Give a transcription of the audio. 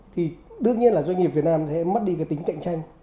thì đương nhiên là doanh nghiệp việt nam sẽ mất đi cái tính cạnh tranh